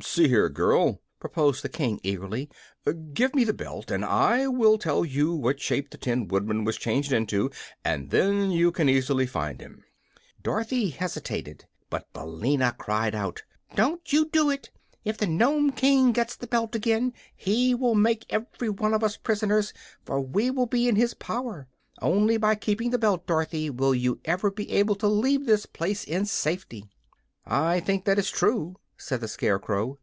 "See here, girl," proposed the King, eagerly; "give me the belt, and I will tell you what shape the Tin Woodman was changed into, and then you can easily find him." Dorothy hesitated, but Billina cried out: "Don't you do it! If the Nome King gets the belt again he will make every one of us prisoners, for we will be in his power. Only by keeping the belt, Dorothy, will you ever be able to leave this place in safety." "I think that is true," said the Scarecrow.